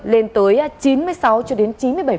lên tới chín mươi sáu cho đến chín mươi bảy